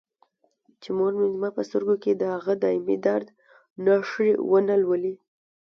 چې مور مې زما په سترګو کې د هغه دایمي درد نښې ونه لولي.